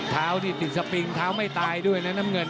เท้านี่ติดสปิงเท้าไม่ตายด้วยนะน้ำเงิน